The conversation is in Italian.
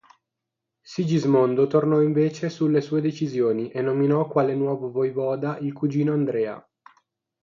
Sigismondo tornò invece sulle sue decisioni e nominò quale nuovo voivoda il cugino Andrea.